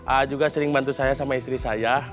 a juga sering bantu saya sama istri saya